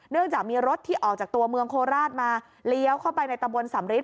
จากมีรถที่ออกจากตัวเมืองโคราชมาเลี้ยวเข้าไปในตะบนสำริท